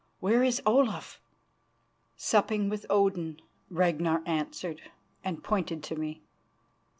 Where is Olaf?" "Supping with Odin," answered Ragnar and pointed to me.